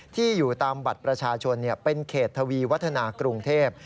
ที่อยู่ตามบัตรประชาชนเป็นเขตทวีวัฒนากรุงเทพ